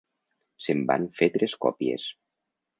Se'n van fer tres còpies.